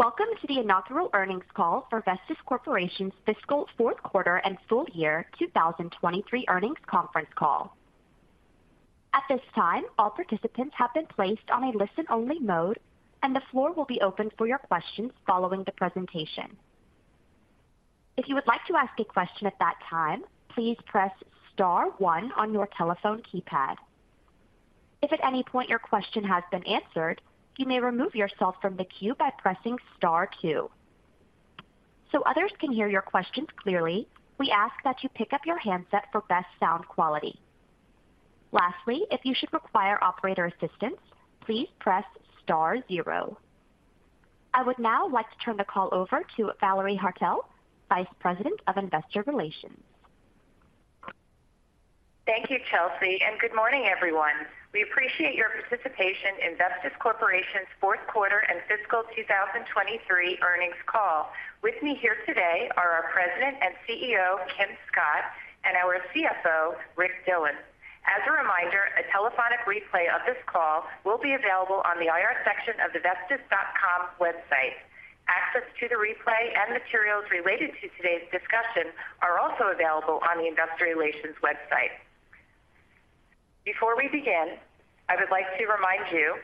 Welcome to the inaugural earnings call for Vestis Corporation's fiscal fourth quarter and full year 2023 earnings conference call. At this time, all participants have been placed on a listen-only mode, and the floor will be open for your questions following the presentation. If you would like to ask a question at that time, please press star one on your telephone keypad. If at any point your question has been answered, you may remove yourself from the queue by pressing star two. So others can hear your questions clearly, we ask that you pick up your handset for best sound quality. Lastly, if you should require operator assistance, please press star zero. I would now like to turn the call over to Valerie Haertel, Vice President of Investor Relations. Thank you, Chelsea, and good morning, everyone. We appreciate your participation in Vestis Corporation's fourth quarter and fiscal 2023 earnings call. With me here today are our President and CEO, Kim Scott, and our CFO, Rick Dillon. As a reminder, a telephonic replay of this call will be available on the IR section of the vestis.com website. Access to the replay and materials related to today's discussion are also available on the Investor Relations website. Before we begin, I would like to remind you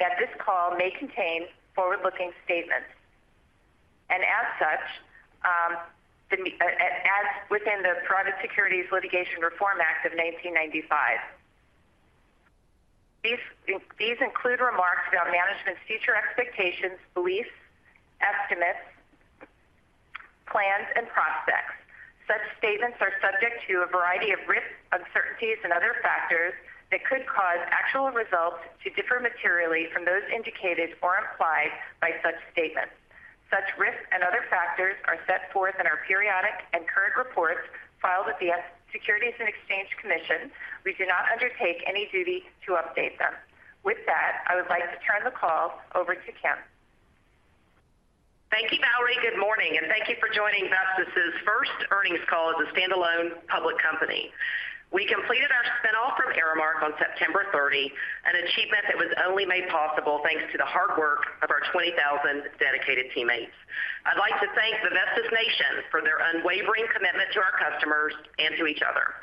that this call may contain forward-looking statements, and as such, as within the Private Securities Litigation Reform Act of 1995. These, these include remarks about management's future expectations, beliefs, estimates, plans, and prospects. Such statements are subject to a variety of risks, uncertainties, and other factors that could cause actual results to differ materially from those indicated or implied by such statements. Such risks and other factors are set forth in our periodic and current reports filed with the SEC, Securities and Exchange Commission. We do not undertake any duty to update them. With that, I would like to turn the call over to Kim. Thank you, Valerie. Good morning, and thank you for joining Vestis' first earnings call as a standalone public company. We completed our spin-off from Aramark on September 30, an achievement that was only made possible thanks to the hard work of our 20,000 dedicated teammates. I'd like to thank the Vestis Nation for their unwavering commitment to our customers and to each other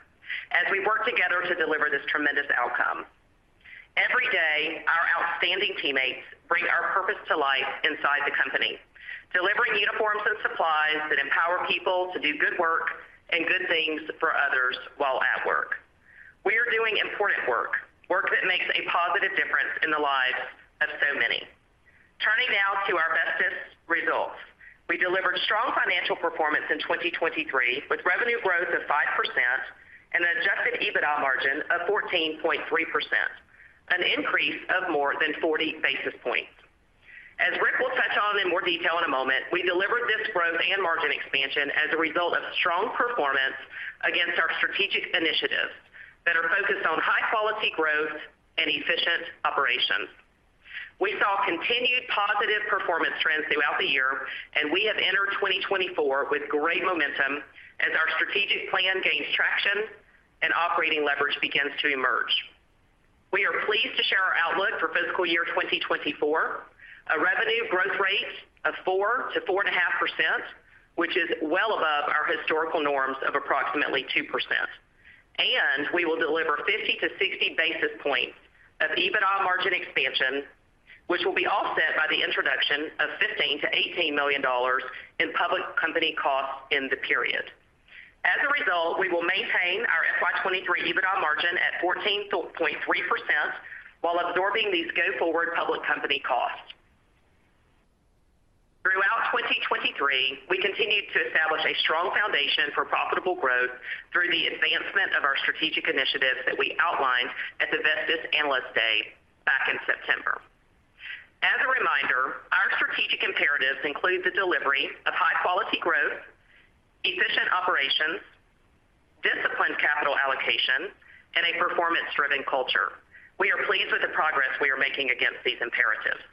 as we work together to deliver this tremendous outcome. Every day, our outstanding teammates bring our purpose to life inside the company, delivering uniforms and supplies that empower people to do good work and good things for others while at work. We are doing important work, work that makes a positive difference in the lives of so many. Turning now to our Vestis results. We delivered strong financial performance in 2023, with revenue growth of 5% and an Adjusted EBITDA margin of 14.3%, an increase of more than 40 basis points. As Rick will touch on in more detail in a moment, we delivered this growth and margin expansion as a result of strong performance against our strategic initiatives that are focused on high-quality growth and efficient operations. We saw continued positive performance trends throughout the year, and we have entered 2024 with great momentum as our strategic plan gains traction and operating leverage begins to emerge. We are pleased to share our outlook for fiscal year 2024, a revenue growth rate of 4%-4.5%, which is well above our historical norms of approximately 2%. We will deliver 50-60 basis points of EBITDA margin expansion, which will be offset by the introduction of $15 million-$18 million in public company costs in the period. As a result, we will maintain our FY 2023 EBITDA margin at 14.3% while absorbing these go-forward public company costs. Throughout 2023, we continued to establish a strong foundation for profitable growth through the advancement of our strategic initiatives that we outlined at the Vestis Analyst Day back in September. As a reminder, our strategic imperatives include the delivery of high-quality growth, efficient operations, disciplined capital allocation, and a performance-driven culture. We are pleased with the progress we are making against these imperatives.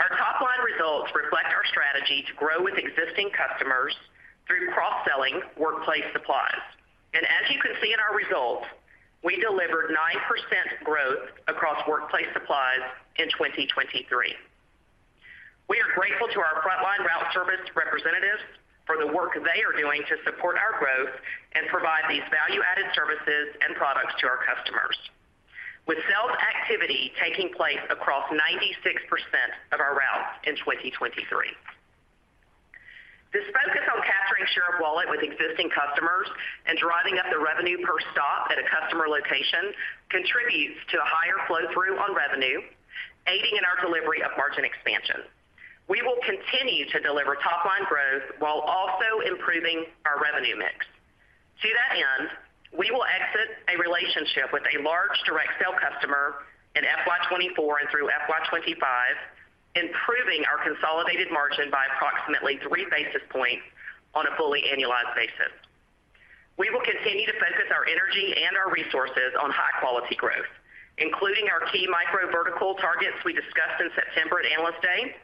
Our top-line results reflect our strategy to grow with existing customers through cross-selling workplace supplies. As you can see in our results, we delivered 9% growth across workplace supplies in 2023. We are grateful to our frontline route service representatives for the work they are doing to support our growth and provide these value-added services and products to our customers, with sales activity taking place across 96% of our routes in 2023. This focus on capturing share of wallet with existing customers and driving up the revenue per stop at a customer location contributes to a higher flow through on revenue, aiding in our delivery of margin expansion. We will continue to deliver top-line growth while also improving our revenue mix. To that end, we will exit a relationship with a large direct sale customer in FY 2024 and through FY 2025, improving our consolidated margin by approximately three basis points on a fully annualized basis. We will continue to focus our energy and our resources on high-quality growth, including our key micro vertical targets we discussed in September at Analyst Day,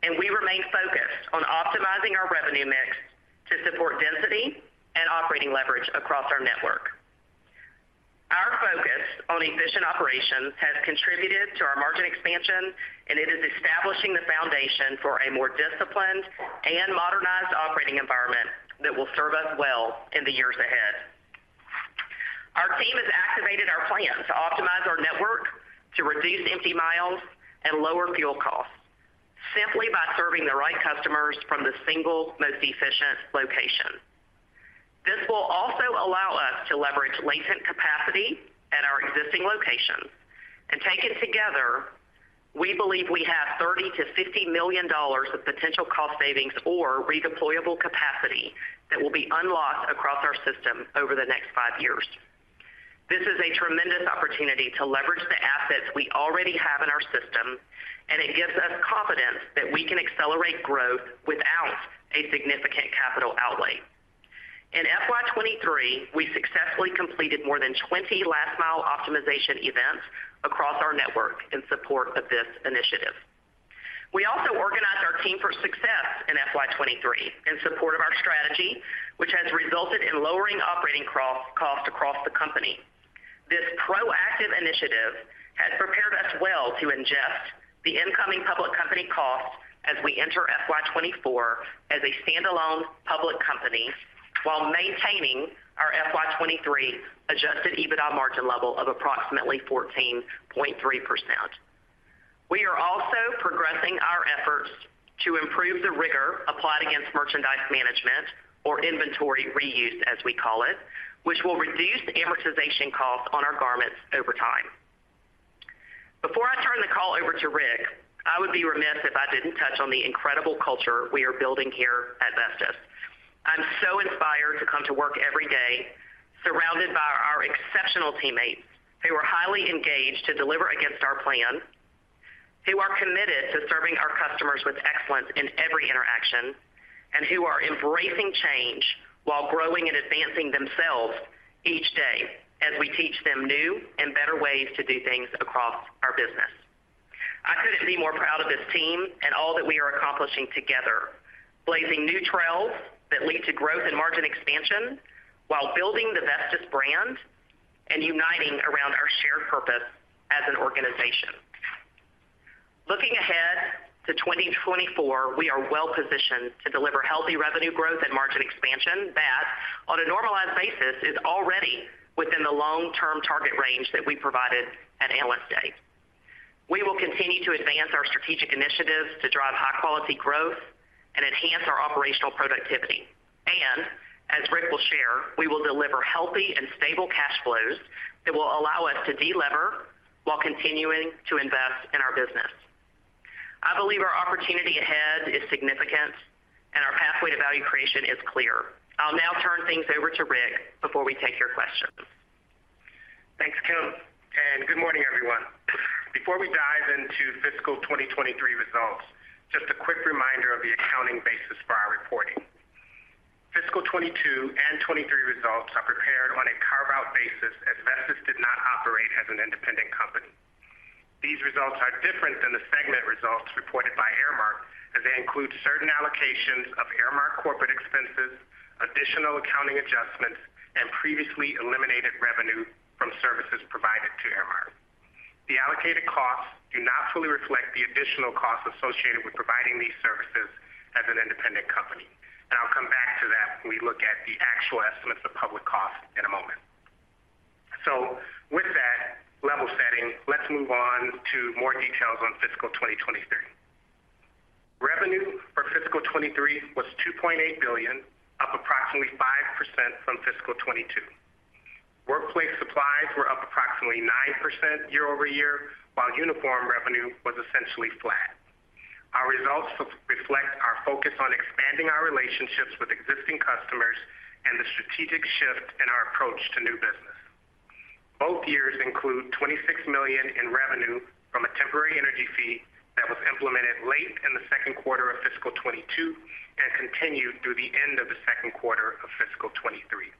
and we remain focused on optimizing our revenue mix to support density and operating leverage across our network.... on efficient operations has contributed to our margin expansion, and it is establishing the foundation for a more disciplined and modernized operating environment that will serve us well in the years ahead. Our team has activated our plan to optimize our network, to reduce empty miles and lower fuel costs, simply by serving the right customers from the single most efficient location. This will also allow us to leverage latent capacity at our existing locations. Taken together, we believe we have $30 million-$50 million of potential cost savings or redeployable capacity that will be unlocked across our system over the next five years. This is a tremendous opportunity to leverage the assets we already have in our system, and it gives us confidence that we can accelerate growth without a significant capital outlay. In FY 2023, we successfully completed more than 20 last mile optimization events across our network in support of this initiative. We also organized our team for success in FY 2023 in support of our strategy, which has resulted in lowering operating costs across the company. This proactive initiative has prepared us well to ingest the incoming public company costs as we enter FY 2024 as a standalone public company, while maintaining our FY 2023 Adjusted EBITDA margin level of approximately 14.3%. We are also progressing our efforts to improve the rigor applied against merchandise management or inventory reuse, as we call it, which will reduce the amortization costs on our garments over time. Before I turn the call over to Rick, I would be remiss if I didn't touch on the incredible culture we are building here at Vestis. I'm so inspired to come to work every day, surrounded by our exceptional teammates who are highly engaged to deliver against our plan, who are committed to serving our customers with excellence in every interaction, and who are embracing change while growing and advancing themselves each day as we teach them new and better ways to do things across our business. I couldn't be more proud of this team and all that we are accomplishing together, blazing new trails that lead to growth and margin expansion while building the Vestis brand and uniting around our shared purpose as an organization. Looking ahead to 2024, we are well positioned to deliver healthy revenue growth and margin expansion that, on a normalized basis, is already within the long-term target range that we provided at Analyst Day. We will continue to advance our strategic initiatives to drive high-quality growth and enhance our operational productivity. As Rick will share, we will deliver healthy and stable cash flows that will allow us to delever while continuing to invest in our business. I believe our opportunity ahead is significant and our pathway to value creation is clear. I'll now turn things over to Rick before we take your questions. Thanks, Kim, and good morning, everyone. Before we dive into fiscal 2023 results, just a quick reminder of the accounting basis for our reporting. Fiscal 2022 and 2023 results are prepared on a carve-out basis as Vestis did not operate as an independent company. These results are different than the segment results reported by Aramark, as they include certain allocations of Aramark corporate expenses, additional accounting adjustments, and previously eliminated revenue from services provided to Aramark. The allocated costs do not fully reflect the additional costs associated with providing these services as an independent company, and I'll come back to that when we look at the actual estimates of public costs in a moment. With that level setting, let's move on to more details on fiscal 2023. Revenue for fiscal 2023 was $2.8 billion, up approximately 5% from fiscal 2022. Workplace supplies were up approximately 9% year-over-year, while uniform revenue was essentially flat. Our results reflect our focus on expanding our relationships with existing customers and the strategic shift in our approach to new business. Both years include $26 million in revenue from a temporary energy fee that was implemented late in the second quarter of fiscal 2022 and continued through the end of the second quarter of fiscal 2023.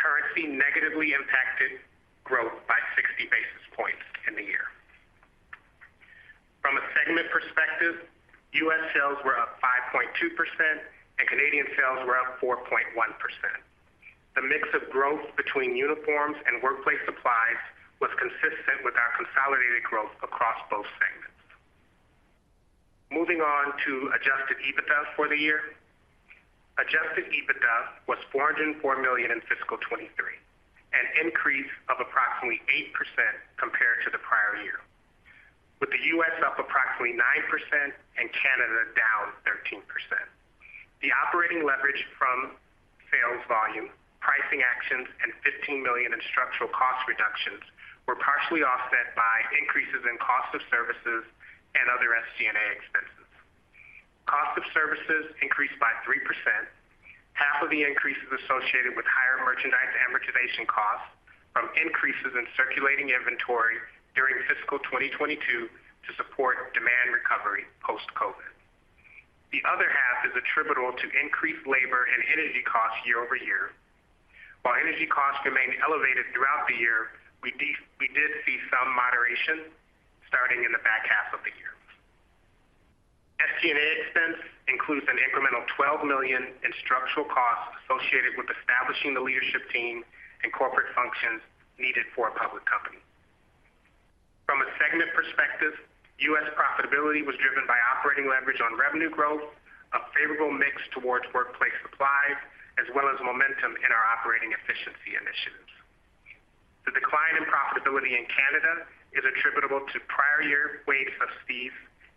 Currency negatively impacted growth by 60 basis points in the year. From a segment perspective, U.S. sales were up 5.2%, and Canadian sales were up 4.1%. The mix of growth between uniforms and workplace supplies was consistent with our consolidated growth across both segments. Moving on to Adjusted EBITDA for the year. Adjusted EBITDA was $404 million in fiscal 2023, an increase of approximately 8% compared to the prior year, with the US up approximately 9% and Canada down 13%. The operating leverage from sales volume, pricing actions, and $15 million in structural cost reductions were partially offset by increases in cost of services and other SG&A expenses. Cost of services increased by 3%, half of the increases associated with higher merchandise amortization costs from increases in circulating inventory during fiscal 2022 to support demand recovery post-COVID. The other half is attributable to increased labor and energy costs year over year. While energy costs remained elevated throughout the year, we did see some moderation starting in the back half... SG&A expense includes an incremental $12 million in structural costs associated with establishing the leadership team and corporate functions needed for a public company. From a segment perspective, US profitability was driven by operating leverage on revenue growth, a favorable mix towards workplace supplies, as well as momentum in our operating efficiency initiatives. The decline in profitability in Canada is attributable to prior year waiver of fees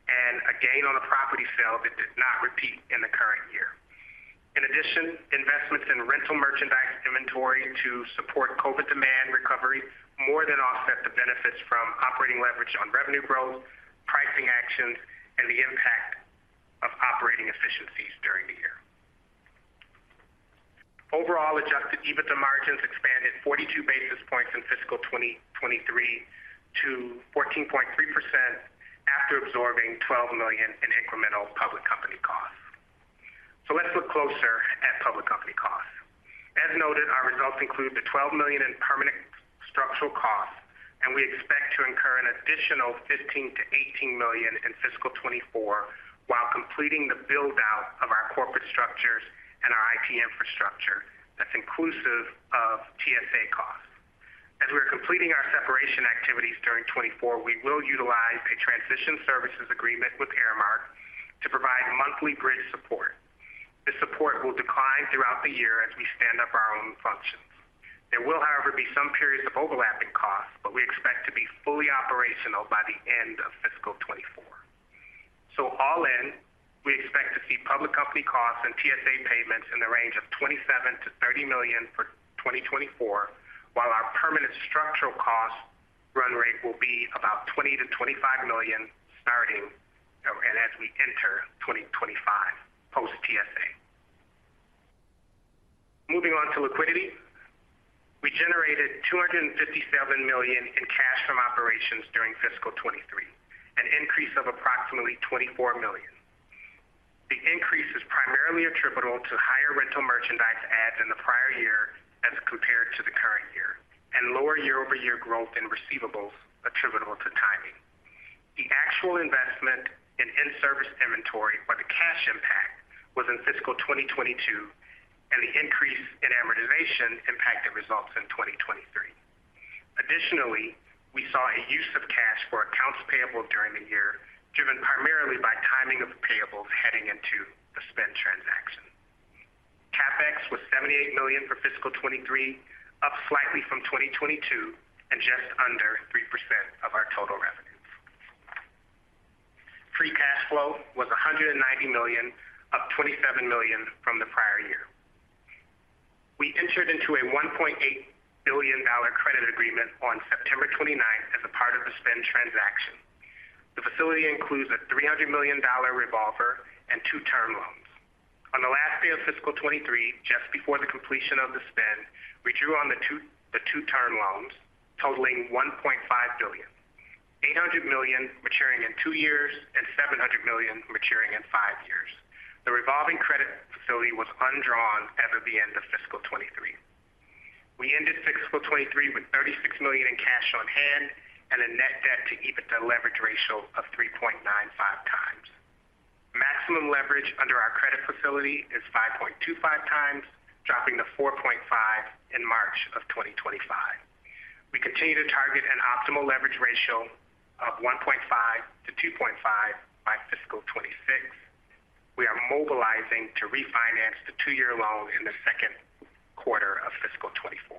and a gain on a property sale that did not repeat in the current year. In addition, investments in rental merchandise inventory to support COVID demand recovery more than offset the benefits from operating leverage on revenue growth, pricing actions, and the impact of operating efficiencies during the year. Overall, adjusted EBITDA margins expanded 42 basis points in fiscal 2023 to 14.3% after absorbing $12 million in incremental public company costs. So let's look closer at public company costs. As noted, our results include the $12 million in permanent structural costs, and we expect to incur an additional $15 million-$18 million in fiscal 2024 while completing the build-out of our corporate structures and our IT infrastructure. That's inclusive of TSA costs. As we are completing our separation activities during 2024, we will utilize a transition services agreement with Aramark to provide monthly bridge support. This support will decline throughout the year as we stand up our own functions. There will, however, be some periods of overlapping costs, but we expect to be fully operational by the end of fiscal 2024. So all in, we expect to see public company costs and TSA payments in the range of $27 million-$30 million for 2024, while our permanent structural costs run rate will be about $20 million-$25 million starting and as we enter 2025, post TSA. Moving on to liquidity. We generated $257 million in cash from operations during fiscal 2023, an increase of approximately $24 million. The increase is primarily attributable to higher rental merchandise adds in the prior year as compared to the current year, and lower year-over-year growth in receivables attributable to timing. The actual investment in in-service inventory or the cash impact was in fiscal 2022, and the increase in amortization impacted results in 2023. Additionally, we saw a use of cash for accounts payable during the year, driven primarily by timing of payables heading into the spin transaction. CapEx was $78 million for fiscal 2023, up slightly from 2022, and just under 3% of our total revenue. Free cash flow was $190 million, up $27 million from the prior year. We entered into a $1.8 billion credit agreement on September 29 as a part of the spin transaction. The facility includes a $300 million revolver and two term loans. On the last day of fiscal 2023, just before the completion of the spin, we drew on the two term loans totaling $1.5 billion, $800 million maturing in two years and $700 million maturing in five years. The revolving credit facility was undrawn at the end of fiscal 2023. We ended fiscal 2023 with $36 million in cash on hand and a net debt to EBITDA leverage ratio of 3.95x. Maximum leverage under our credit facility is 5.25x, dropping to 4.5 in March 2025. We continue to target an optimal leverage ratio of 1.5-2.5 by fiscal 2026. We are mobilizing to refinance the 2-year loan in the second quarter of fiscal 2024.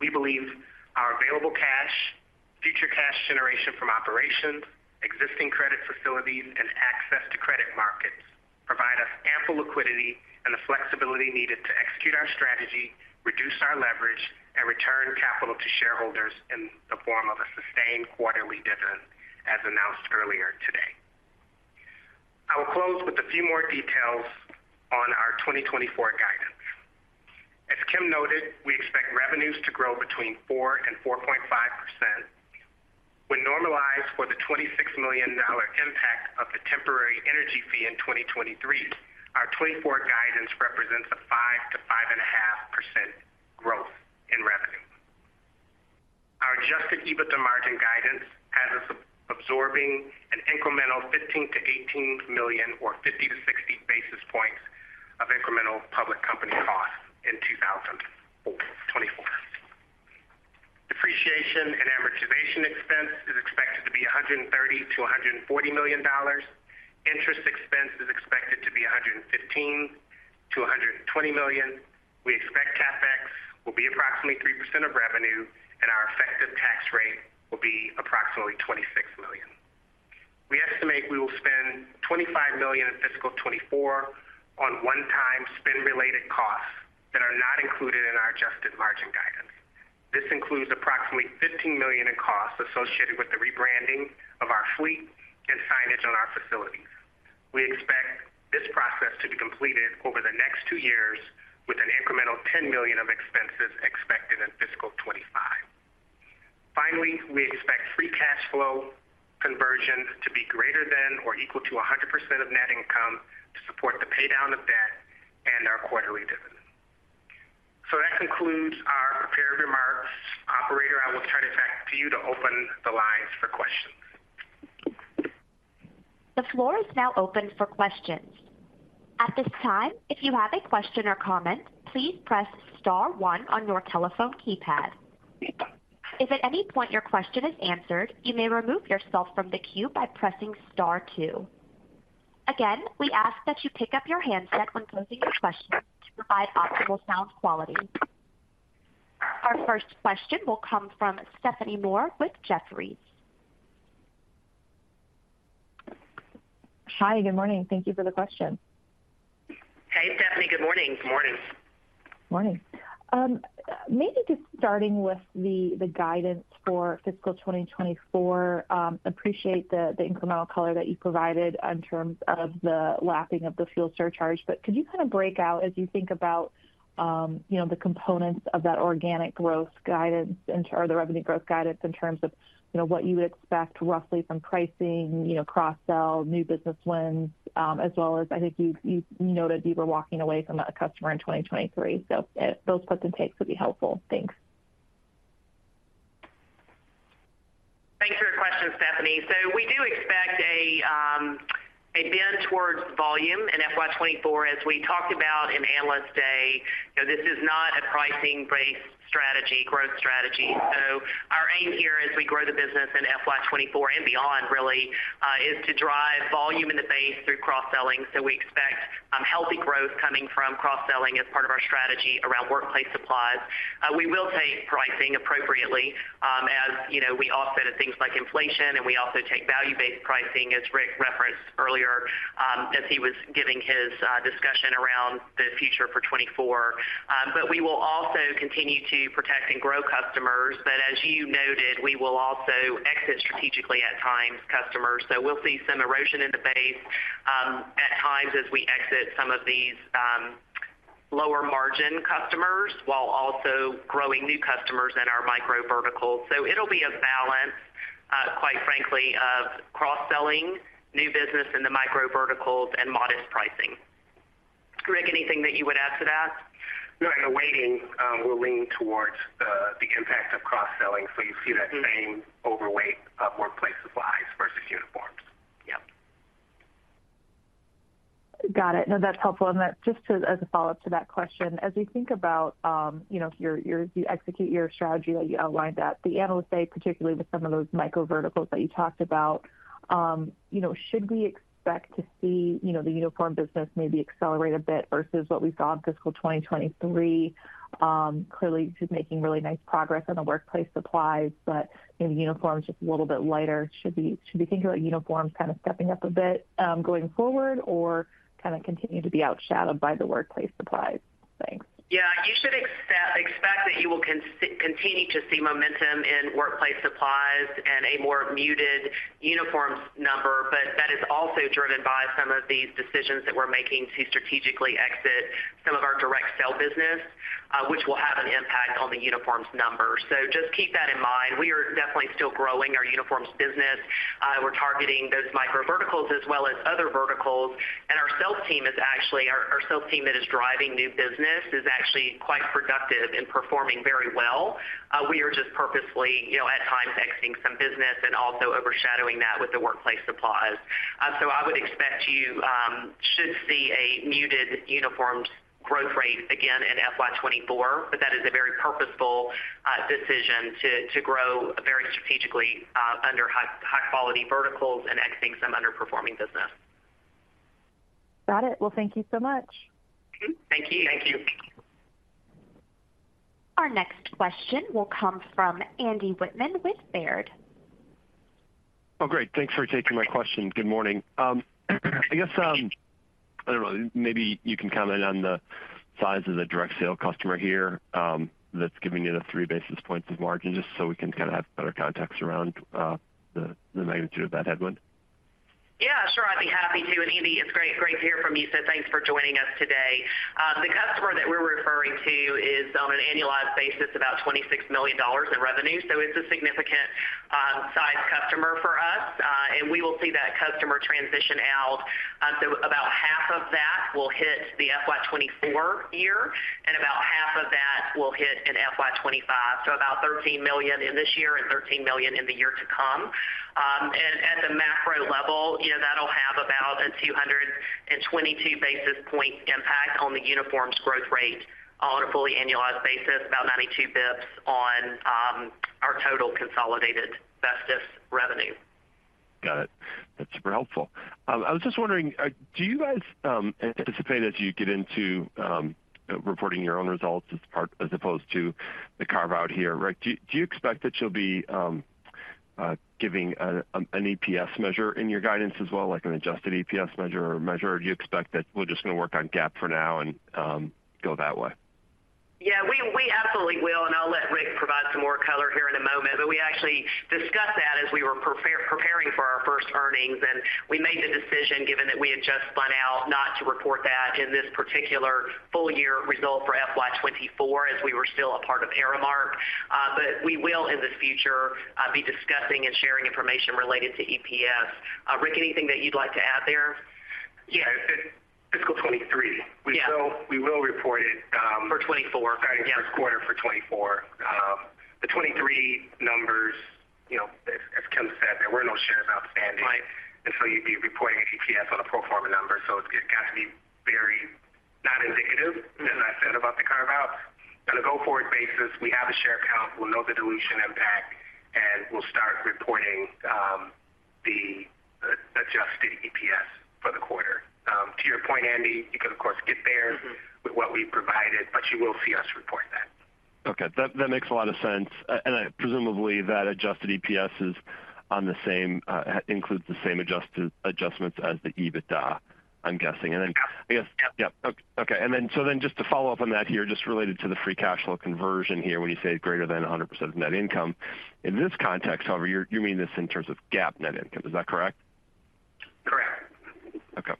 We believe our available cash, future cash generation from operations, existing credit facilities, and access to credit markets provide us ample liquidity and the flexibility needed to execute our strategy, reduce our leverage, and return capital to shareholders in the form of a sustained quarterly dividend, as announced earlier today. I will close with a few more details on our 2024 guidance. As Kim noted, we expect revenues to grow between 4% and 4.5%. When normalized for the $26 million impact of the temporary energy fee in 2023, our 2024 guidance represents a 5%-5.5% growth in revenue. Our adjusted EBITDA margin guidance has us absorbing an incremental $15 million-$18 million or 50-60 basis points of incremental public company costs in 2024. Depreciation and amortization expense is expected to be $130 million-$140 million. Interest expense is expected to be $115 million-$120 million. We expect CapEx will be approximately 3% of revenue, and our effective tax rate will be approximately 26 million. We estimate we will spend $25 million in fiscal 2024 on one-time spin-related costs that are not included in our adjusted margin guidance. This includes approximately $15 million in costs associated with the rebranding of our fleet and signage on our facilities. We expect this process to be completed over the next two years, with an incremental $10 million of expenses expected in fiscal 2025. Finally, we expect Free Cash Flow Conversion to be greater than or equal to 100% of net income to support the paydown of debt.... to open the lines for questions. The floor is now open for questions. At this time, if you have a question or comment, please press star one on your telephone keypad. If at any point your question is answered, you may remove yourself from the queue by pressing star two. Again, we ask that you pick up your handset when posing a question to provide optimal sound quality. Our first question will come from Stephanie Moore with Jefferies. Hi, good morning. Thank you for the question. Hey, Stephanie. Good morning. Good morning. Morning. Maybe just starting with the guidance for fiscal 2024. Appreciate the incremental color that you provided in terms of the lapping of the fuel surcharge. But could you kind of break out as you think about, you know, the components of that organic growth guidance or the revenue growth guidance in terms of, you know, what you would expect roughly from pricing, you know, cross-sell, new business wins, as well as I think you noted you were walking away from a customer in 2023. So those plus and takes would be helpful. Thanks. Thanks for your question, Stephanie. So we do expect a bend towards volume in FY 2024. As we talked about in Analyst Day, you know, this is not a pricing-based strategy, growth strategy. So our aim here as we grow the business in FY 2024 and beyond really is to drive volume in the base through cross-selling. So we expect healthy growth coming from cross-selling as part of our strategy around workplace supplies. We will take pricing appropriately, as you know, we offset things like inflation, and we also take value-based pricing, as Rick referenced earlier, as he was giving his discussion around the future for 2024. But we will also continue to protect and grow customers. But as you noted, we will also exit strategically at times, customers. So we'll see some erosion in the base, at times as we exit some of these, lower margin customers, while also growing new customers in our micro verticals. So it'll be a balance, quite frankly, of cross-selling new business in the micro verticals and modest pricing. Rick, anything that you would add to that? No, and the weighting will lean towards the impact of cross-selling. So you see that same overweight of workplace supplies versus uniforms. Yeah. Got it. No, that's helpful. And then just as a follow-up to that question, as we think about, you know, you execute your strategy, like you outlined at the Analyst Day, particularly with some of those micro verticals that you talked about, you know, should we expect to see, you know, the uniform business maybe accelerate a bit versus what we saw in fiscal 2023? Clearly, just making really nice progress on the workplace supplies, but maybe uniforms just a little bit lighter. Should we think about uniforms kind of stepping up a bit, going forward or kind of continue to be overshadowed by the workplace supplies? Thanks. Yeah. You should expect that you will continue to see momentum in workplace supplies and a more muted uniforms number. But that is also driven by some of these decisions that we're making to strategically exit some of our direct sale business, which will have an impact on the uniforms number. So just keep that in mind. We are definitely still growing our uniforms business. We're targeting those micro verticals as well as other verticals, and our sales team that is driving new business is actually quite productive in performing very well. We are just purposefully, you know, at times, exiting some business and also overshadowing that with the workplace supplies. I would expect you should see a muted uniforms growth rate again in FY 2024, but that is a very purposeful decision to grow very strategically under high quality verticals and exiting some underperforming business. Got it. Well, thank you so much. Thank you. Thank you. Our next question will come from Andy Whitman with Baird. Oh, great. Thanks for taking my question. Good morning. I guess, I don't know, maybe you can comment on the size of the direct sale customer here, that's giving you the three basis points of margin, just so we can kind of have better context around the magnitude of that headwind. Yeah, sure. I'd be happy to. And Andy, it's great, great to hear from you, so thanks for joining us today. The customer that we're referring to is on an annualized basis, about $26 million in revenue. So it's a significant size customer for us, and we will see that customer transition out. So about half of that will hit the FY 2024 year, and about half of that will hit in FY 2025. So about $13 million in this year and $13 million in the year to come. And at the macro level, you know, that'll have about a 222 basis points impact on the uniforms growth rate on a fully annualized basis, about 92 basis points on our total consolidated Vestis revenue. Got it. That's super helpful. I was just wondering, do you guys anticipate as you get into reporting your own results as part as opposed to the carve-out here, right? Do you expect that you'll be giving an EPS measure in your guidance as well, like an adjusted EPS measure? Do you expect that we're just gonna work on GAAP for now and go that way? Yeah, we absolutely will, and I'll let Rick provide some more color here in a moment. But we actually discussed that as we were preparing for our first earnings, and we made the decision, given that we had just spun out, not to report that in this particular full year result for FY 2024, as we were still a part of Aramark. But we will, in the future, be discussing and sharing information related to EPS. Rick, anything that you'd like to add there? Yes.... Fiscal 2023. Yeah. We will, we will report it. For '24. Right, first quarter for 2024. The 2023 numbers, you know, as Kim said, there were no shares outstanding. Right. And so you'd be reporting an EPS on a pro forma number, so it's got to be very not indicative, as I said, about the carve-out. On a go-forward basis, we have a share count. We'll know the dilution impact, and we'll start reporting the adjusted EPS for the quarter. To your point, Andy, you could, of course, get there- Mm-hmm. with what we provided, but you will see us report that. Okay, that, that makes a lot of sense. And I presumably that Adjusted EPS is on the same, includes the same adjustments as the EBITDA, I'm guessing. Yes. And then, I guess- Yep. Yep. Okay. Then, so just to follow up on that here, just related to the free cash flow conversion here, when you say it's greater than 100% of net income. In this context, however, you mean this in terms of GAAP net income. Is that correct? Correct. Okay.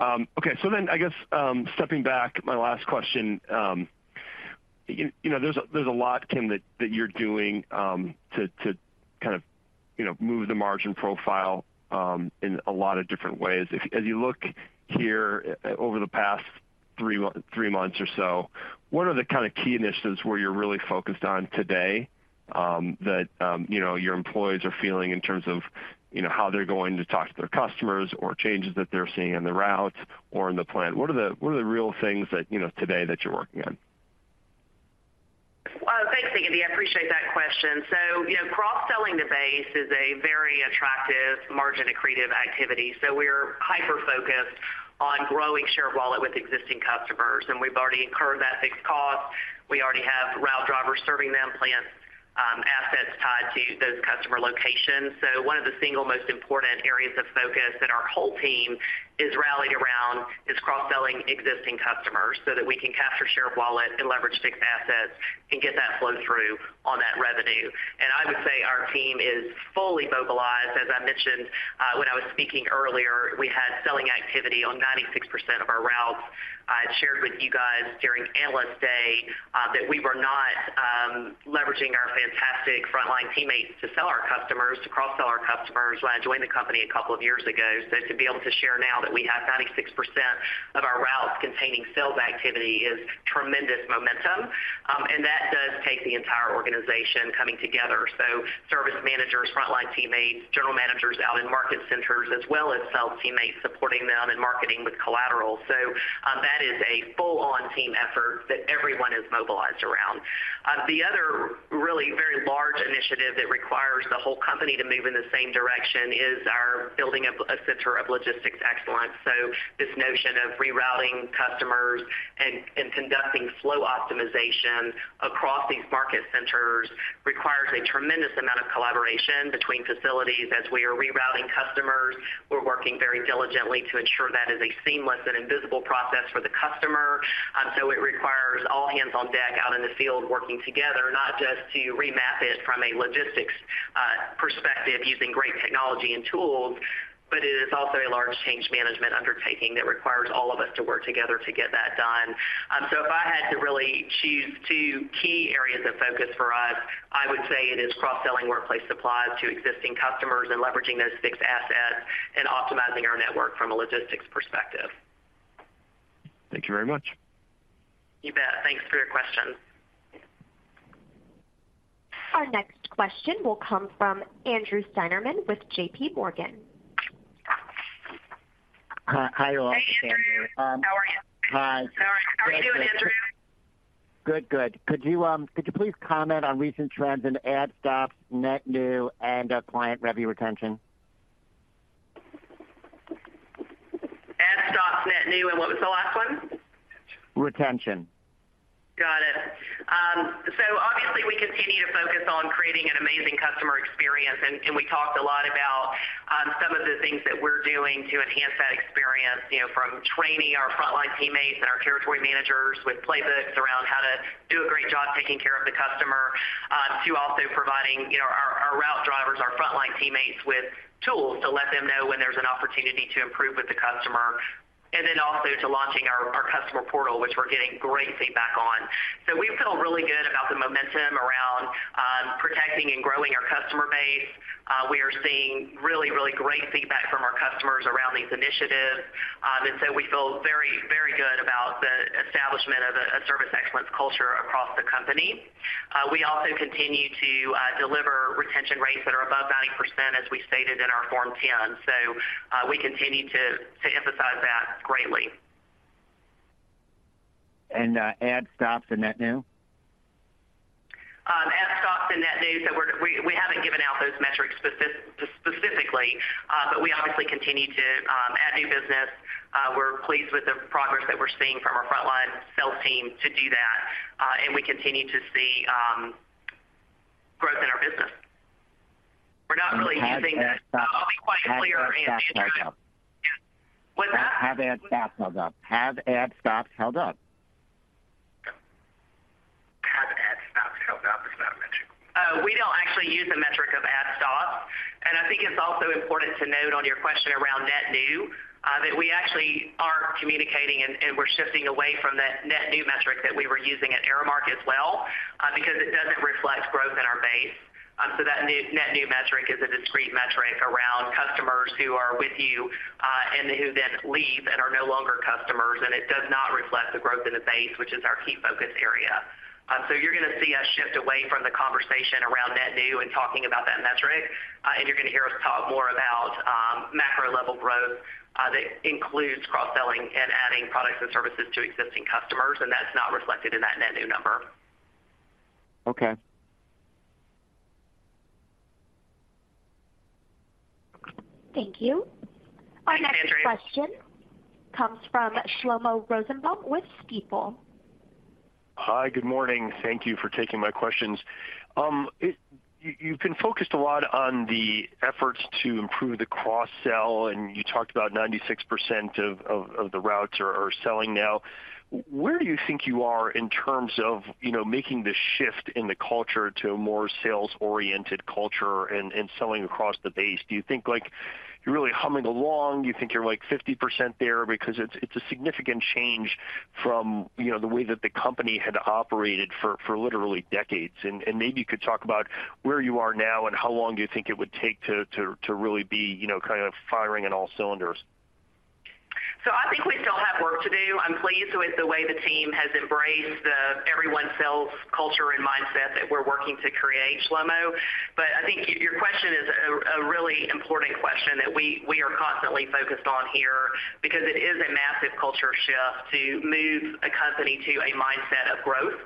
Okay, so then I guess, stepping back, my last question, you, you know, there's, there's a lot, Kim, that, that you're doing, to, to kind of, you know, move the margin profile, in a lot of different ways. If- as you look here over the past three months or so, what are the kind of key initiatives where you're really focused on today, that, you know, your employees are feeling in terms of, you know, how they're going to talk to their customers or changes that they're seeing in the routes or in the plant? What are the, what are the real things that, you know, today that you're working on? Well, thanks, Andy. I appreciate that question. So, you know, cross-selling the base is a very attractive margin-accretive activity. So we're hyper-focused on growing share of wallet with existing customers, and we've already incurred that fixed cost. We already have route drivers serving them, plant assets tied to those customer locations. So one of the single most important areas of focus that our whole team is rallied around is cross-selling existing customers so that we can capture share of wallet and leverage fixed assets and get that flow-through on that revenue. And I would say our team is fully mobilized. As I mentioned, when I was speaking earlier, we had selling activity on 96% of our routes. I shared with you guys during Analyst Day that we were not leveraging our fantastic frontline teammates to sell our customers, to cross-sell our customers, when I joined the company a couple of years ago. So to be able to share now that we have 96% of our routes containing sales activity is tremendous momentum, and that does take the entire organization coming together. So service managers, frontline teammates, general managers out in market centers, as well as sales teammates supporting them and marketing with collateral. So that is a full-on team effort that everyone is mobilized around. The other really very large initiative that requires the whole company to move in the same direction is our building up a center of logistics excellence. So this notion of rerouting customers and conducting flow optimization across these market centers requires a tremendous amount of collaboration between facilities. As we are rerouting customers, we're working very diligently to ensure that is a seamless and invisible process for the customer. So it requires all hands on deck out in the field working together, not just to remap it from a logistics perspective using great technology and tools, but it is also a large change management undertaking that requires all of us to work together to get that done. So if I had to really choose two key areas of focus for us, I would say it is cross-selling workplace supplies to existing customers and leveraging those fixed assets and optimizing our network from a logistics perspective. Thank you very much. You bet. Thanks for your question. Our next question will come from Andrew Steinerman with J.P. Morgan. Hi, hi, all. Hey, Andrew. How are you? Hi. How are you doing, Andrew? Good, good. Could you, could you please comment on recent trends in add stops, net new, and client revenue retention? Add stops, net new, and what was the last one? Retention. Got it. So obviously, we continue to focus on creating an amazing customer experience, and we talked a lot about some of the things that we're doing to enhance that experience, you know, from training our frontline teammates and our territory managers with playbooks around how to do a great job taking care of the customer, to also providing, you know, our route drivers, our frontline teammates with tools to let them know when there's an opportunity to improve with the customer, and then also to launching our customer portal, which we're getting great feedback on. So we feel really good about the momentum around protecting and growing our customer base. We are seeing really, really great feedback from our customers around these initiatives. and so we feel very, very good about the establishment of a service excellence culture across the company. We also continue to deliver retention rates that are above 90%, as we stated in our Form 10. We continue to emphasize that greatly. Add stops and net new? Add stops and net new, so we haven't given out those metrics specifically, but we obviously continue to add new business. We're pleased with the progress that we're seeing from our frontline sales team to do that, and we continue to see growth in our business. We're not really using the- Have added stops. I'll be quite clear, Andrew. Have our stops held up? What's that? Have add stops held up? “Have add stops held up?” is not a metric. Oh, we don't actually use the metric of add stops. And I think it's also important to note on your question around net new that we actually are communicating and we're shifting away from that net new metric that we were using at Aramark as well, because it doesn't reflect growth in our base. So that net new metric is a discrete metric around customers who are with you and who then leave and are no longer customers, and it does not reflect the growth in the base, which is our key focus area. So you're gonna see us shift away from the conversation around net new and talking about that metric, and you're gonna hear us talk more about macro-level growth that includes cross-selling and adding products and services to existing customers, and that's not reflected in that net new number. Okay. Thank you. Thank you, Andrew. Our next question comes from Shlomo Rosenbaum with Stifel. Hi, good morning. Thank you for taking my questions. You, you've been focused a lot on the efforts to improve the cross-sell, and you talked about 96% of the routes are selling now. Where do you think you are in terms of, you know, making the shift in the culture to a more sales-oriented culture and selling across the base? Do you think, like, you're really humming along? Do you think you're, like, 50% there? Because it's a significant change from, you know, the way that the company had operated for literally decades. And maybe you could talk about where you are now and how long do you think it would take to really be, you know, kind of firing on all cylinders. So I think we still have work to do. I'm pleased with the way the team has embraced the everyone sells culture and mindset that we're working to create, Shlomo. But I think your question is a really important question that we are constantly focused on here because it is a massive culture shift to move a company to a mindset of growth.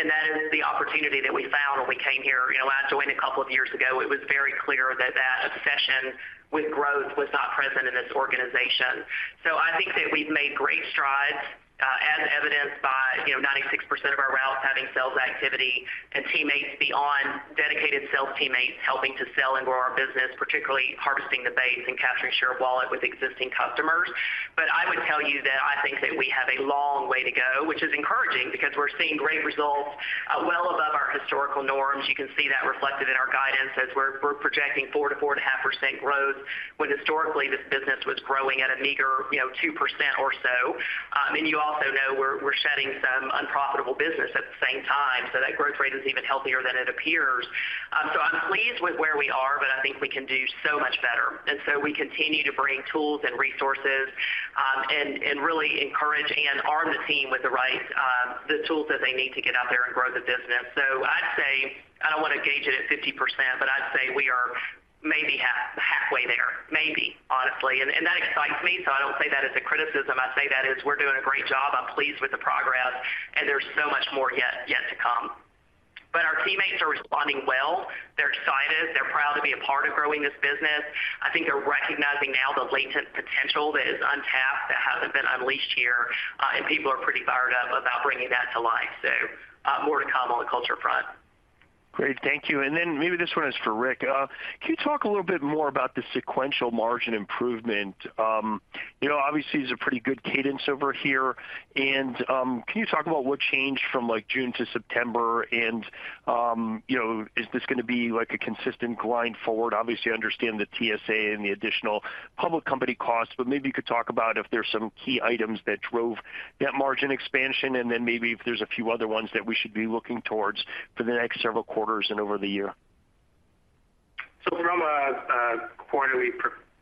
And that is the opportunity that we found when we came here. You know, when I joined a couple of years ago, it was very clear that that obsession with growth was not present in this organization. So I think that we've made great strides, as evidenced by, you know, 96% of our routes having sales activity and teammates beyond dedicated sales teammates helping to sell and grow our business, particularly harvesting the base and capturing share of wallet with existing customers. But I would tell you that I think that we have a long way to go, which is encouraging because we're seeing great results, well above our historical norms. You can see that reflected in our guidance as we're projecting 4%-4.5% growth, when historically this business was growing at a meager, you know, 2% or so. And you also know we're shedding some unprofitable business at the same time, so that growth rate is even healthier than it appears. So I'm pleased with where we are, but I think we can do so much better. And so we continue to bring tools and resources, and, and really encourage and arm the team with the right, the tools that they need to get out there and grow the business. So I'd say I don't want to gauge it at 50%, but I'd say we are maybe halfway there, maybe, honestly. And that excites me, so I don't say that as a criticism. I say that as we're doing a great job, I'm pleased with the progress, and there's so much more yet to come. But our teammates are responding well. They're excited. They're proud to be a part of growing this business. I think they're recognizing now the latent potential that is untapped, that hasn't been unleashed here, and people are pretty fired up about bringing that to life. So, more to come on the culture front. Great. Thank you. And then maybe this one is for Rick. Can you talk a little bit more about the sequential margin improvement? You know, obviously, there's a pretty good cadence over here. And can you talk about what changed from, like, June to September? And you know, is this gonna be, like, a consistent grind forward? Obviously, I understand the TSA and the additional public company costs, but maybe you could talk about if there's some key items that drove that margin expansion, and then maybe if there's a few other ones that we should be looking towards for the next several quarters and over the year. So from a quarterly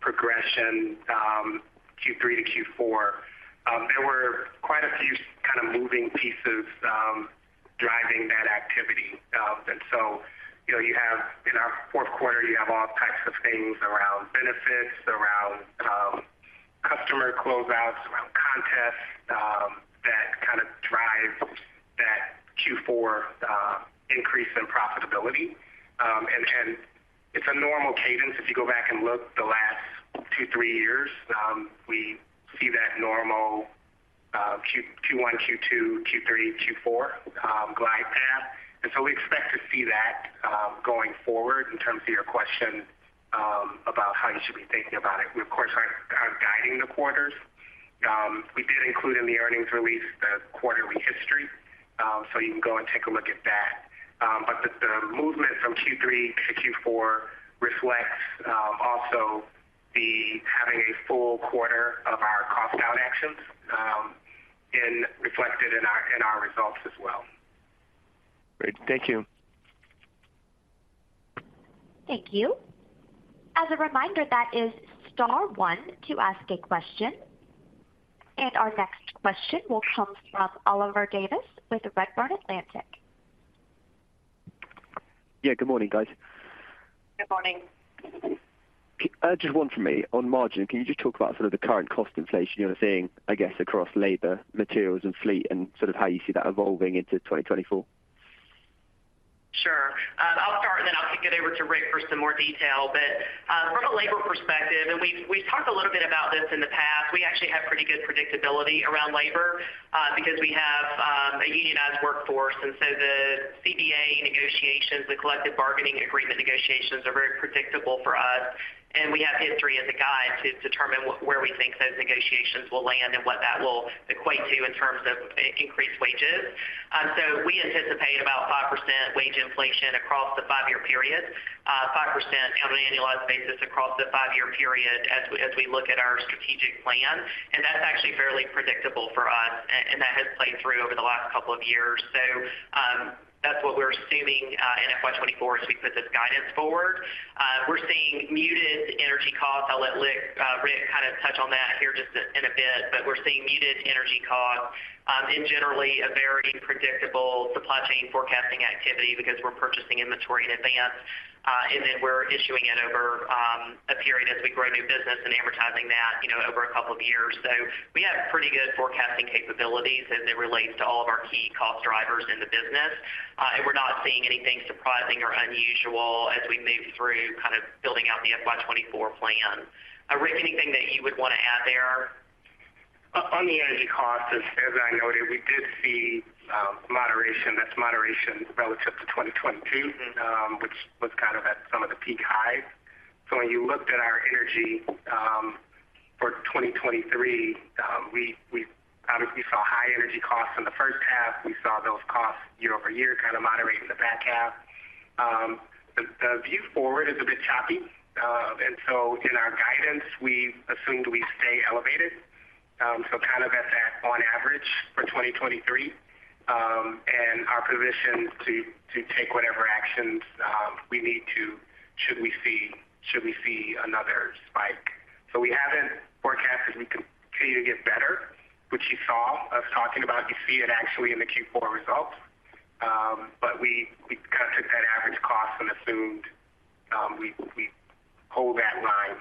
progression, Q3 to Q4, there were quite a few kind of moving pieces driving that activity. And so, you know, you have, in our fourth quarter, you have all types of things around benefits, around customer closeouts, around contests that kind of drive that Q4 increase in profitability. And it's a normal cadence. If you go back and look the last two, three years, we see that normal Q1, Q2, Q3, Q4 glide path. And so we expect to see that going forward in terms of your question about how you should be thinking about it. We, of course, are guiding the quarters. We did include in the earnings release the quarterly history, so you can go and take a look at that. But the movement from Q3 to Q4 reflects also having a full quarter of our cost out actions being reflected in our results as well. Great. Thank you. Thank you. As a reminder, that is star one to ask a question. Our next question will come from Oliver Davies with Redburn Atlantic. Yeah, good morning, guys. Good morning. Just one from me. On margin, can you just talk about sort of the current cost inflation you're seeing, I guess, across labor, materials, and fleet, and sort of how you see that evolving into 2024? Sure. I'll start, and then I'll kick it over to Rick for some more detail. But from a labor perspective, and we've, we've talked a little bit about this in the past, we actually have pretty good predictability around labor because we have a unionized workforce. And so the CBA negotiations, the collective bargaining agreement negotiations, are very predictable for us, and we have history as a guide to determine where we think those negotiations will land and what that will equate to in terms of increased wages. So we anticipate about 5% wage inflation across the 5-year period, 5% on an annualized basis across the 5-year period as we, as we look at our strategic plan. And that's actually fairly predictable for us, and, and that has played through over the last couple of years. So, that's what we're assuming in FY 2024 as we put this guidance forward. We're seeing muted energy costs. I'll let Rick kind of touch on that here just in a bit, but we're seeing muted energy costs, and generally a very predictable supply chain forecasting activity because we're purchasing inventory in advance, and then we're issuing it over a period as we grow new business and advertising that, you know, over a couple of years. So we have pretty good forecasting capabilities as it relates to all of our key cost drivers in the business, and we're not seeing anything surprising or unusual as we move through kind of building out the FY 2024 plan. Rick, anything that you would want to add there? On the energy costs, as I noted, we did see moderation. That's moderation relative to 2022- Mm-hmm. which was kind of at some of the peak highs. So when you looked at our energy, for 2023, we obviously saw high energy costs in the first half. We saw those costs year-over-year kind of moderate in the back half. The view forward is a bit choppy. And so in our guidance, we've assumed we stay elevated, so kind of at that on average for 2023, and our position to take whatever actions we need to should we see another spike. So we haven't forecasted we continue to get better, which you saw us talking about. You see it actually in the Q4 results. But we kind of took that average cost and assumed we hold that line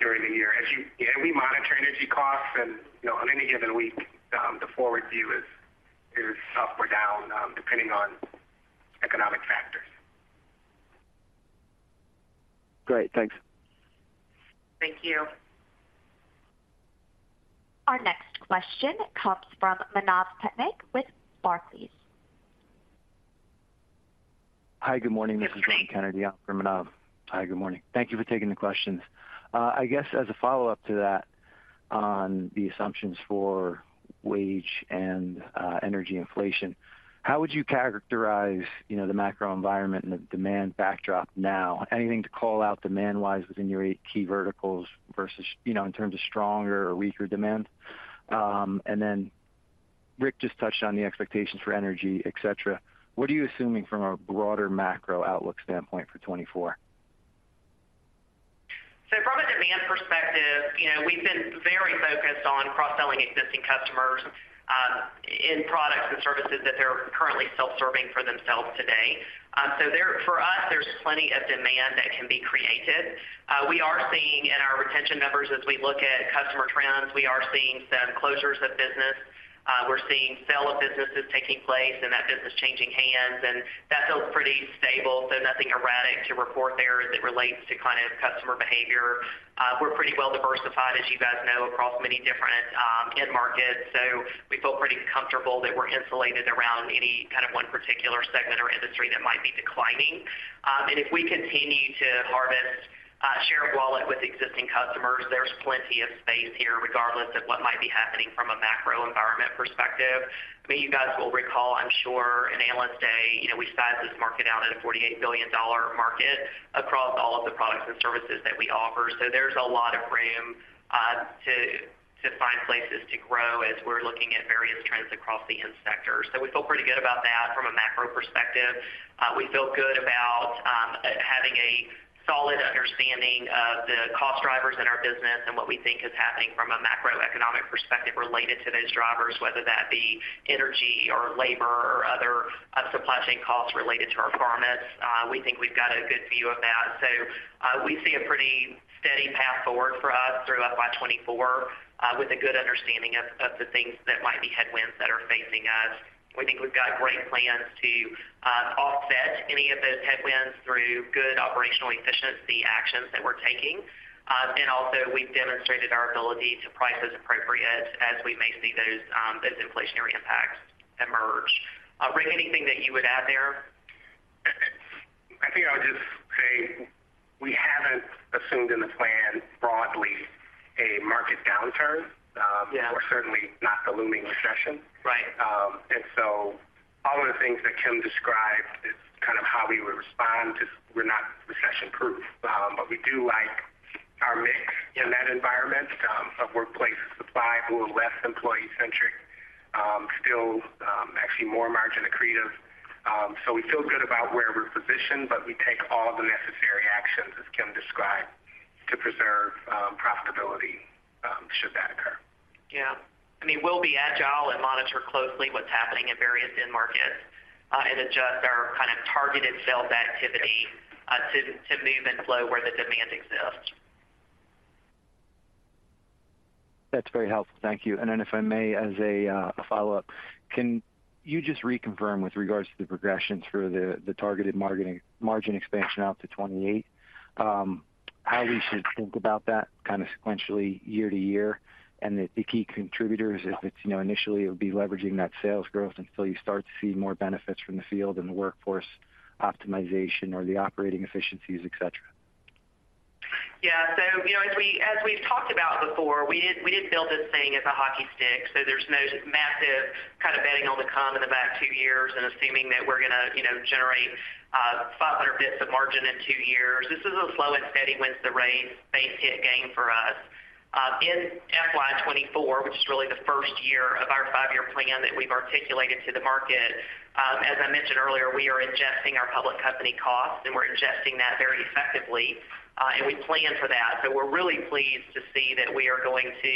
during the year. As you and we monitor energy costs and, you know, on any given week, the forward view is up or down, depending on economic factors. Great. Thanks. Thank you. Our next question comes from Manav Patnaik with Barclays. Hi, good morning. Good morning. This is John Kennedy on for Manav. Hi, good morning. Thank you for taking the questions. I guess as a follow-up to that, on the assumptions for wage and energy inflation, how would you characterize, you know, the macro environment and the demand backdrop now? Anything to call out demand-wise within your eight key verticals versus, you know, in terms of stronger or weaker demand? And then Rick just touched on the expectations for energy, et cetera. What are you assuming from a broader macro outlook standpoint for 2024? So from a demand perspective, you know, we've been very focused on cross-selling existing customers in products and services that they're currently self-serving for themselves today. So for us, there's plenty of demand that can be created. We are seeing in our retention numbers as we look at customer trends, we are seeing some closures of business. We're seeing sale of businesses taking place and that business changing hands, and that feels pretty stable, so nothing erratic to report there as it relates to kind of customer behavior. We're pretty well diversified, as you guys know, across many different end markets. So we feel pretty comfortable that we're insulated around any kind of one particular segment or industry that might be declining. And if we continue to harvest share of wallet with existing customers, there's plenty of space here, regardless of what might be happening from a macro environment perspective. I mean, you guys will recall, I'm sure, in Analyst Day, you know, we sized this market out at a $48 billion market across all of the products and services that we offer. So there's a lot of room to find places to grow as we're looking at various trends across the end sector. So we feel pretty good about that from a macro perspective. We feel good about having a solid understanding of the cost drivers in our business and what we think is happening from a macroeconomic perspective related to those drivers, whether that be energy or labor or other supply chain costs related to our garments. We think we've got a good view of that. So, we see a pretty steady path forward for us through FY 2024, with a good understanding of, of the things that might be headwinds that are facing us. We think we've got great plans to, offset any of those headwinds through good operational efficiency actions that we're taking. And also we've demonstrated our ability to price as appropriate as we may see those, those inflationary impacts emerge. Rick, anything that you would add there? I think I would just say we haven't assumed in the plan broadly a market downturn, Yeah. Or certainly not a looming recession. Right. And so all of the things that Kim described is kind of how we would respond to... We're not recession-proof, but we do like our mix in that environment of workplace supply, more or less employee-centric, still actually more margin accretive. So we feel good about where we're positioned, but we take all the necessary actions, as Kim described, to preserve profitability should that occur. Yeah. I mean, we'll be agile and monitor closely what's happening in various end markets, and adjust our kind of targeted sales activity, to move and flow where the demand exists. That's very helpful. Thank you. Then, if I may, as a follow-up, can you just reconfirm with regards to the progression through the targeted margin expansion out to 28%, how we should think about that kind of sequentially year to year, and the key contributors, if it's, you know, initially it would be leveraging that sales growth until you start to see more benefits from the field and the workforce optimization or the operating efficiencies, et cetera? ... Yeah. So, you know, as we, as we've talked about before, we didn't, we didn't build this thing as a hockey stick, so there's no massive kind of betting on the come in the back two years and assuming that we're gonna, you know, generate 500 basis points of margin in two years. This is a slow and steady wins the race base hit game for us. In FY 2024, which is really the first year of our five-year plan that we've articulated to the market, as I mentioned earlier, we are ingesting our public company costs, and we're ingesting that very effectively, and we plan for that. So we're really pleased to see that we are going to,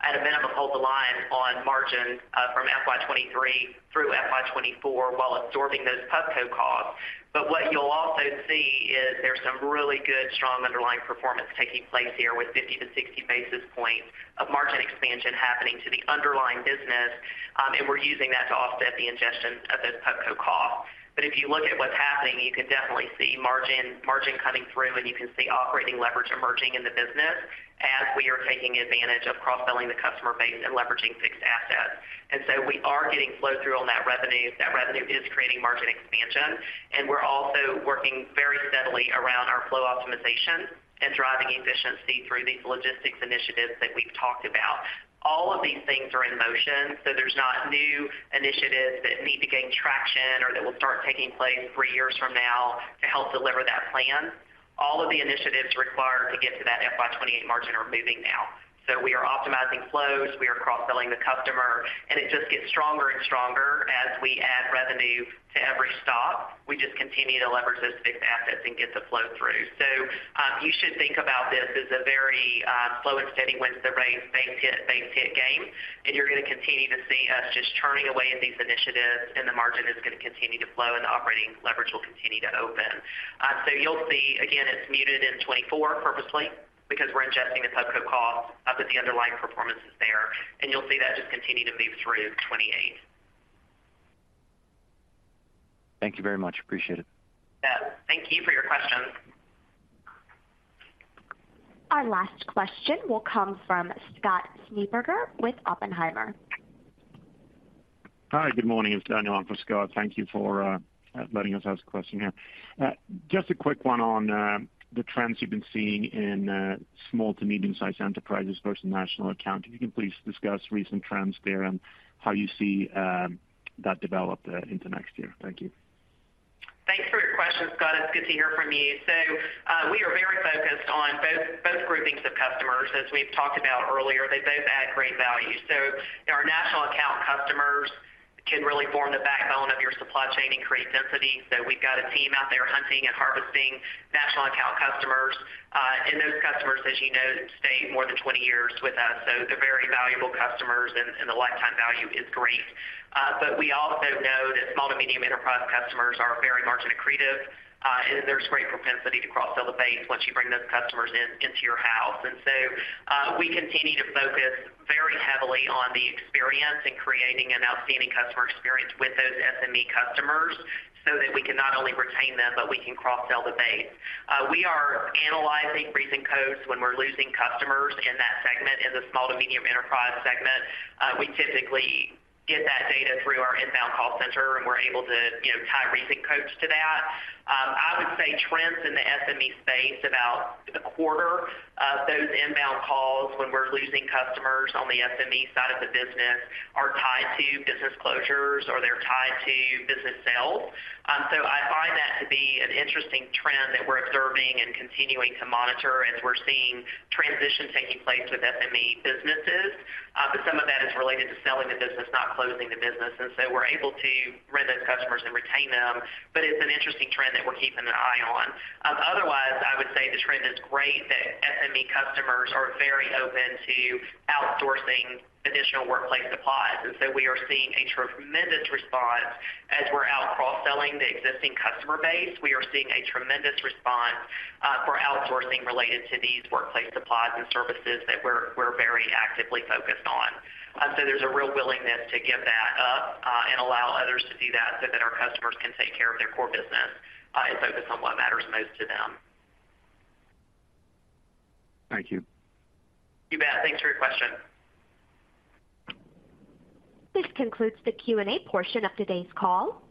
at a minimum, hold the line on margins from FY 2023 through FY 2024 while absorbing those pub co costs. But what you'll also see is there's some really good, strong underlying performance taking place here with 50-60 basis points of margin expansion happening to the underlying business, and we're using that to offset the ingestion of those Pub Co costs. But if you look at what's happening, you can definitely see margin, margin coming through, and you can see operating leverage emerging in the business as we are taking advantage of cross-selling the customer base and leveraging fixed assets. And so we are getting flow-through on that revenue. That revenue is creating margin expansion, and we're also working very steadily around our flow optimization and driving efficiency through these logistics initiatives that we've talked about. All of these things are in motion, so there's not new initiatives that need to gain traction or that will start taking place three years from now to help deliver that plan. All of the initiatives required to get to that FY 2028 margin are moving now. So we are optimizing flows, we are cross-selling the customer, and it just gets stronger and stronger as we add revenue to every stop. We just continue to leverage those fixed assets and get the flow through. So, you should think about this as a very, slow and steady wins the race, base hit, base hit game, and you're gonna continue to see us just churning away in these initiatives, and the margin is gonna continue to flow, and the operating leverage will continue to open. So you'll see, again, it's muted in 2024 purposely because we're ingesting the PubCo costs, but the underlying performance is there, and you'll see that just continue to move through 2028. Thank you very much. Appreciate it. Yeah. Thank you for your question. Our last question will come from Scott Schneeberger with Oppenheimer. Hi, good morning. It's Daniel on for Scott. Thank you for letting us ask a question here. Just a quick one on the trends you've been seeing in small to medium-sized enterprises versus national account. Can you please discuss recent trends there and how you see that develop into next year? Thank you. Thanks for your question, Scott. It's good to hear from you. So, we are very focused on both, both groupings of customers. As we've talked about earlier, they both add great value. So our national account customers can really form the backbone of your supply chain and create density. So we've got a team out there hunting and harvesting national account customers. And those customers, as you know, stay more than 20 years with us, so they're very valuable customers, and, and the lifetime value is great. But we also know that small to medium enterprise customers are very margin accretive, and there's great propensity to cross-sell the base once you bring those customers in, into your house. We continue to focus very heavily on the experience and creating an outstanding customer experience with those SME customers so that we can not only retain them, but we can cross-sell the base. We are analyzing reason codes when we're losing customers in that segment. In the small to medium enterprise segment, we typically get that data through our inbound call center, and we're able to, you know, tie reason codes to that. I would say trends in the SME space, about a quarter of those inbound calls when we're losing customers on the SME side of the business are tied to business closures or they're tied to business sales. So I find that to be an interesting trend that we're observing and continuing to monitor as we're seeing transitions taking place with SME businesses. But some of that is related to selling the business, not closing the business. And so we're able to win those customers and retain them, but it's an interesting trend that we're keeping an eye on. Otherwise, I would say the trend is great, that SME customers are very open to outsourcing additional workplace supplies. And so we are seeing a tremendous response as we're out cross-selling the existing customer base. We are seeing a tremendous response for outsourcing related to these workplace supplies and services that we're, we're very actively focused on. So there's a real willingness to give that up and allow others to do that so that our customers can take care of their core business and focus on what matters most to them. Thank you. You bet. Thanks for your question. This concludes the Q&A portion of today's call.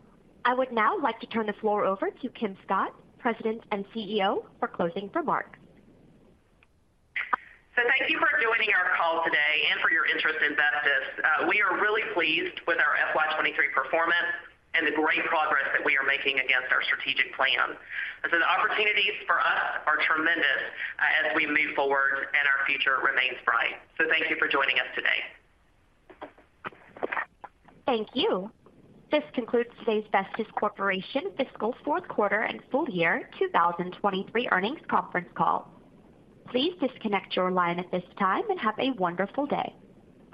I would now like to turn the floor over to Kim Scott, President and CEO, for closing remarks. So thank you for joining our call today and for your interest in Vestis. We are really pleased with our FY 2023 performance and the great progress that we are making against our strategic plan. The opportunities for us are tremendous, as we move forward, and our future remains bright. Thank you for joining us today. Thank you. This concludes today's Vestis Corporation fiscal fourth quarter and full year 2023 earnings conference call. Please disconnect your line at this time and have a wonderful day.